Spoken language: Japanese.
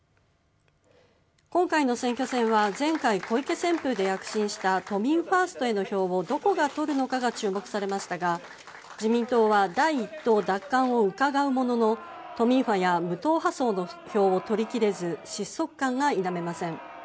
今回の選挙戦は前回、小池旋風で躍進した都民ファーストへの票をどこが取るのかが注目されましたが自民党は第１党奪還をうかがうものの票を取り込めず失速感が否めません。